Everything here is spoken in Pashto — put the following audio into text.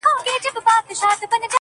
ستا د سوځلي زړه ايرو ته چي سجده وکړه؛